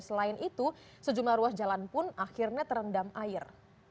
selain itu sejumlah ruas jalan pun akhirnya terendam air